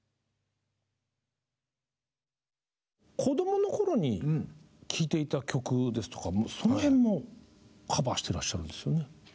子どもの頃に聴いていた曲ですとかその辺もカバーしてらっしゃるんですよね。